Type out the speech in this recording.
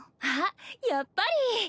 あっやっぱり！